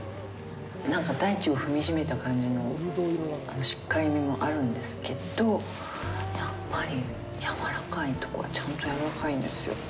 なんか大地を踏み締めた感じのしっかりみもあるんですけどやっぱりやわらかいとこはちゃんとやわらかいんですよ。